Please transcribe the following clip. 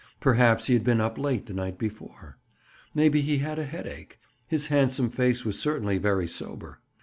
Perhaps he had been up late the night before. Maybe he had a headache. His handsome face was certainly very sober.